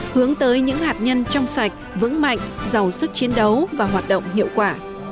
hướng tới những hạt nhân trong sạch vững mạnh giàu sức chiến đấu và hoạt động hiệu quả